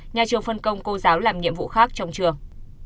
nhà trường phân công cô giáo làm nhiệm vụ khác trong trường